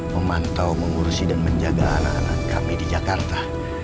memantau mengurusi dan menjaga anak anak kami di jakarta